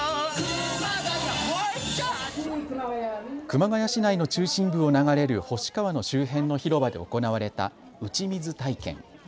熊谷市内の中心部を流れる星川の周辺の広場で行われた打ち水体験。